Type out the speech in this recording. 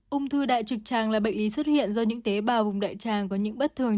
ung thư đại trực tràng là bệnh lý xuất hiện do những tế bào vùng đại tràng có những bất thường